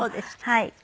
はい。